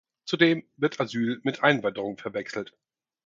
Zudem wird Asyl mit Einwanderung verwechselt.